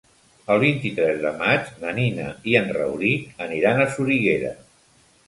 El vint-i-tres de maig na Nina i en Rauric aniran a Soriguera.